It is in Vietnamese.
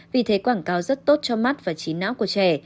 vì thế quảng cáo rất tốt cho mắt và trí não của trẻ